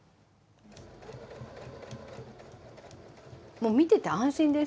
もう見てて安心です。